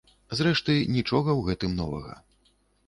Зрэшты, нічога ў гэтым новага.